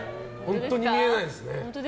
本当に見えないですね。